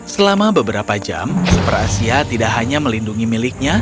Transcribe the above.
selama beberapa jam super asia tidak hanya melindungi miliknya